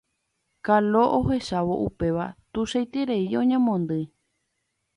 Kalo ohechávo upéva tuichaiterei oñemondýi